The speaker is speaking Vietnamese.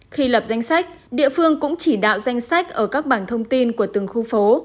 khi lập danh sách địa phương cũng chỉ đạo danh sách ở các bảng thông tin của từng khu phố